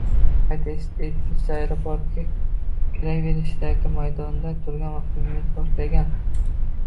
Qayd etilishicha, aeroportga kiraverishdagi maydonda turgan avtomobil portlagan